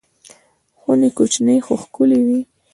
خونې کوچنۍ خو ښکلې وې.